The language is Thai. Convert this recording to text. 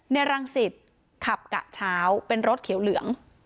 รังสิตขับกะเช้าเป็นรถเขียวเหลือง